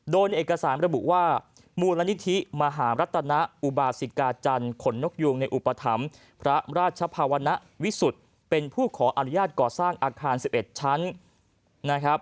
โดยในเอกสารระบุว่ามูลนิธิมหารัตนอุบาสิกาจันทร์ขนนกยูงในอุปถัมภ์พระราชภาวณวิสุทธิ์เป็นผู้ขออนุญาตก่อสร้างอาคาร๑๑ชั้นนะครับ